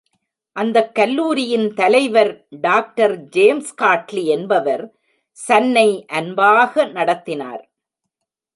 அந்தக் கல்லூரியின் தலைவர் டாக்டர் ஜேம்ஸ்காட்லி என்பவர் சன்னை அன்பாக நடத்தினார்.